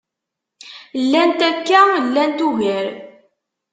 Llant akka llant ugar